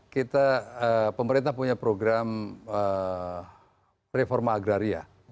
kita pemerintah punya program reforma agraria